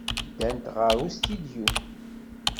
Ddant ɣer ustidyu.